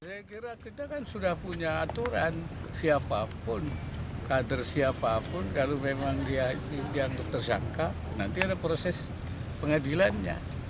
saya kira kita kan sudah punya aturan siapapun kader siapapun kalau memang dia dianggap tersangka nanti ada proses pengadilannya